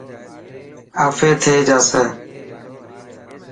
آفي ٿي جاسي.